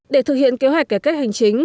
để thực hiện kế hoạch kẻ cách hành chính